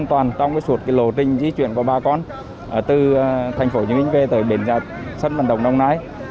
đồng nai sẽ di chuyển vào bà con từ thành phố nhưng vê về đến sân vận động đồng nai